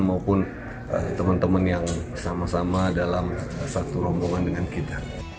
maupun teman teman yang sama sama dalam satu rombongan dengan kita